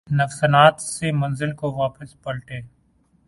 نقصانات سے منگل کو واپس پلٹے